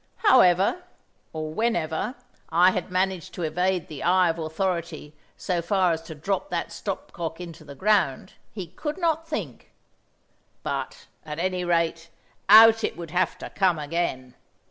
However, or whenever, I had managed to evade the Eye of Authority so far as to drop that stop cock into the ground, he could not think; but, at any rate, out it would have to come again.